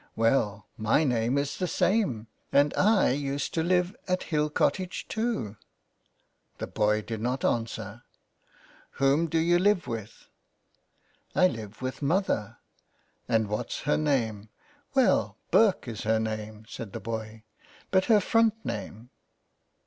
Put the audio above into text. ''Well, my name is the same. And I used to live at Hill Cottage too." The boy did not answer, " Whom do you live with ?"" I live with mother," " And what's her name ?^''' Well, Burke is her name," said the boy, '' But her front name